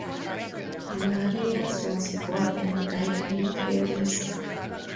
Marais was born and died in Paris.